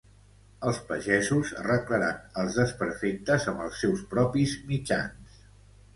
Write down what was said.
Els pagesos arreglaran els desperfectes amb els seus propis mitjans